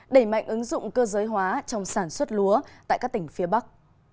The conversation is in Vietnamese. đẩy mạnh ứng dụng cơ giới hóa trong sản xuất lúa tại các tỉnh phía bắc